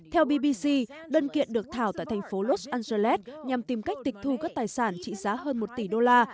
theo bbc đơn kiện được thảo tại thành phố los angeles nhằm tìm cách tịch thu các tài sản trị giá hơn một tỷ đô la